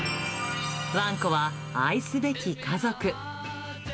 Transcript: ワンコは愛すべき家族。